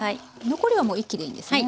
残りはもう一気でいいんですね？